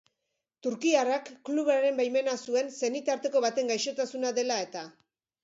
Turkiarrak klubaren baimena zuen senitarteko baten gaixotasuna dela eta.